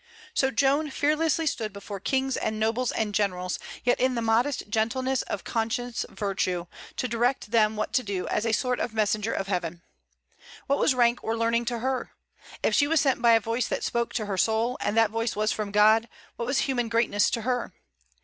So Joan fearlessly stood before kings and nobles and generals, yet in the modest gentleness of conscious virtue, to direct them what to do, as a sort of messenger of Heaven. What was rank or learning to her? If she was sent by a voice that spoke to her soul, and that voice was from God, what was human greatness to her?